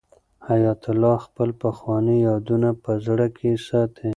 حیات الله خپل پخواني یادونه په زړه کې ساتي.